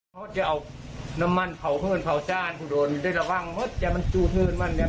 เพราะจะเอาน้ำมันเผาเพื่อนเผาชาติกูโดนด้วยระวังเพราะจะมันจูดขึ้นมันเนี่ย